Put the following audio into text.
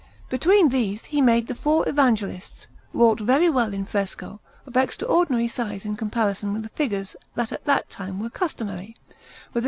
Between these he made the four Evangelists, wrought very well in fresco, of extraordinary size in comparison with the figures that at that time were customary, with a S.